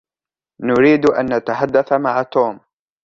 نريد أن نتحدث مع توم.